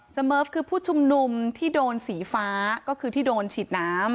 เสมอฟคือผู้ชุมนุมที่โดนสีฟ้าก็คือที่โดนฉีดน้ำ